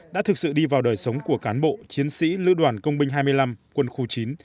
đã thực sự đi vào đời sống của cán bộ chiến sĩ lữ đoàn công binh hai mươi năm quân khu chín